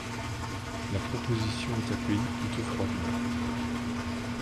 La proposition est accueillie plutôt froidement.